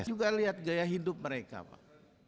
saya juga lihat gaya hidup mereka pak